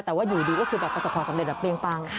แต่ว่าอยู่ดีก็คือแบบประสบความสำเร็จแบบเปรี้ยงปัง